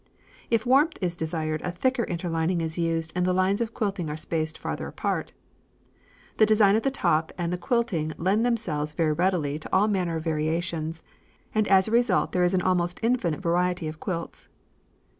If warmth is desired a thicker interlining is used and the lines of quilting are spaced farther apart. The design of the top and the quilting lend themselves very readily to all manner of variations, and as a result there is an almost infinite variety of quilts.